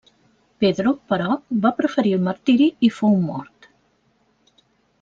Pedro, però, va preferir el martiri i fou mort.